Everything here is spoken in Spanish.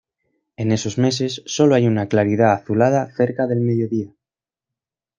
En esos meses, solo hay una claridad azulada cerca del mediodía.